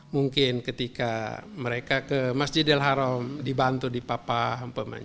mungkin ketika mereka ke masjidil haram dibantu di papan